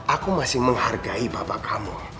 aku masih menghargai bapak kamu